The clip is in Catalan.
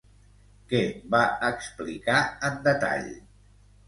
Què va explicar en detall?